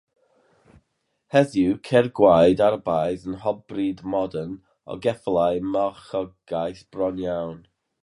Heddiw, ceir gwaed Arabaidd ym mhob brid modern o geffylau marchogaeth, bron iawn.